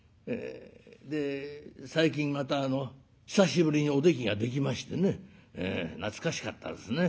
で最近また久しぶりにおできができましてね懐かしかったですね。